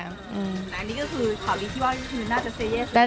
อันนี้ก็คือข่าวนี้ที่ว่าน่าจะเซเยสแล้วค่ะ